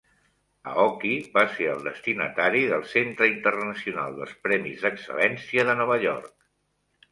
Aoki va ser el destinatari del Centre Internacional dels Premis d'Excel·lència de Nova York.